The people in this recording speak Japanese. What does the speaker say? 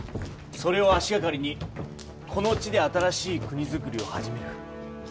それを足がかりにこの地で新しい国造りを始める。